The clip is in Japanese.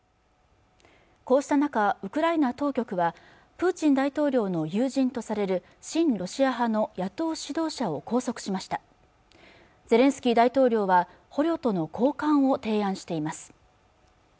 こうした中ウクライナ当局はプーチン大統領の友人とされる親ロシア派の野党指導者を拘束しましたゼレンスキー大統領は捕虜との交換を提案しています